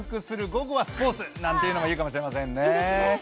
午後はスポーツなんていうのがいいかもしれませんね。